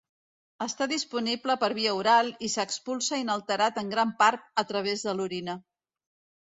Està disponible per via oral i s'expulsa inalterat en gran part a través de l'orina.